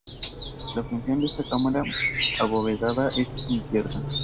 La función de esta cámara abovedada es incierta.